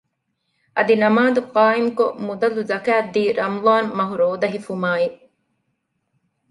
އަދި ނަމާދު ޤާއިމުކޮށް މުދަލު ޒަކާތް ދީ ރަމަޟާން މަހު ރޯދަ ހިފުުމާއި